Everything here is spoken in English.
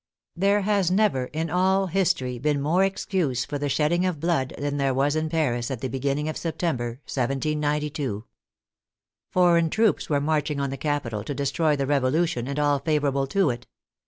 There has never in all history been more excuse for the shedding of blood than there was in Paris, at the beginning of September, 1792. Foreign troops were marching on the capital to destroy the Revolution, and all favorable to it.